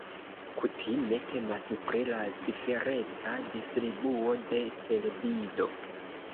Kutime temas pri la cifereca distribuo de televido.